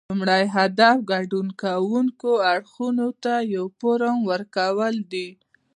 لومړی هدف ګډون کوونکو اړخونو ته یو فورم ورکول دي